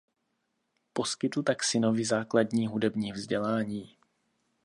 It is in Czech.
Poskytl tak synovi základní hudební vzdělání.